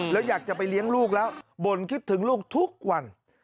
แล้วอยากจะไปเลี้ยงลูกแล้วบ่นคิดถึงลูกทุกวัน